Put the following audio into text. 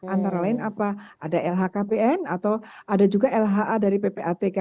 antara lain apa ada lhkpn atau ada juga lha dari ppatk